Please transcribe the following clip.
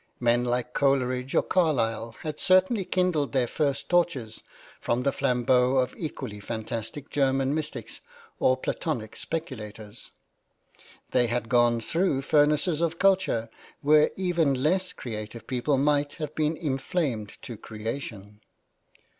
Men like Coleridge or Carlyle had certainly kindled their first torches from the flambeaux of equally fantastic German mystics or Platonic speculators; they had gone through furnaces of culture where even less creative people might have been inflamed to creation.